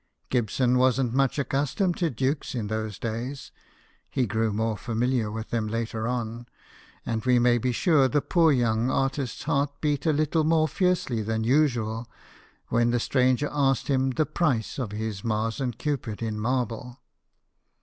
Gibson wasn't much accustomed to dukes in those days he grew more familiar with them later on and we may be sure the poor young artist's heart beat a little more fiercely than usual when the stranger asked him the price of his Mars and Cupid in marble.